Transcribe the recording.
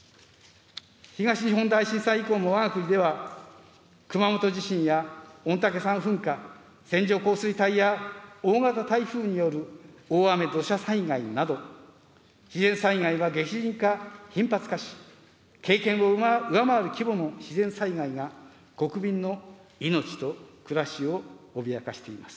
東日本大震災以降もわが国では熊本地震や御嶽山噴火、線状降水帯や大型台風による大雨土砂災害など、自然災害は激甚化・頻発化し、経験を上回る規模の自然災害が、国民の命と暮らしを脅かしています。